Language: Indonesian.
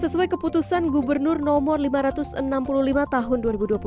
sesuai keputusan gubernur nomor lima ratus enam puluh lima tahun dua ribu dua puluh